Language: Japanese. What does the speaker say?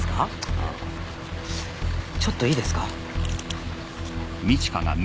ああちょっといいですか？